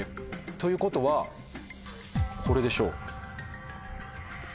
ということはこれでしょう。